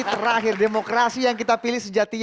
terakhir demokrasi yang kita pilih sejatinya